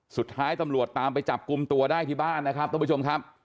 สุดท้ายตำรวจตามไปจับกลุ่มตัวได้ที่บ้านนะครับท่านผู้ชมครับ